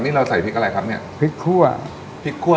น้ำซุปกันเลยเนาะ